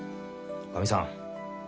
おかみさん